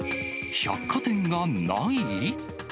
百貨店がない？